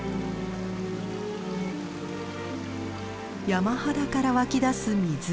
山肌から湧き出す水。